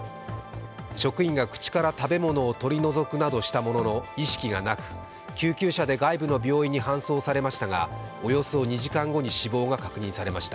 職員が口から食べ物を取り除くなどしたものの、意識がなく、救急車で外部の病院に搬送されましたがおよそ２時間後に死亡が確認されました。